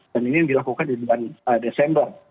dan ini dilakukan di bulan desember